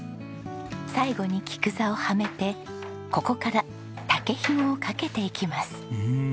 最後に菊座をはめてここから竹ひごをかけていきます。